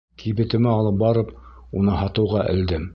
Кибетемә алып барып, уны һатыуға элдем.